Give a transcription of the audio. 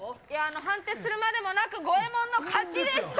判定するまでもなくゴエモンの勝ちでした。